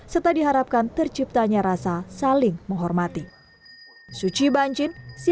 serta diharapkan terciptanya rasa saling menghormati